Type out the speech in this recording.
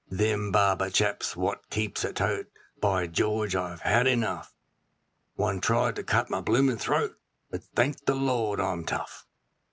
'Them barber chaps what keeps a tote, By George, I've had enough, One tried to cut my bloomin' throat, but thank the Lord it's tough.'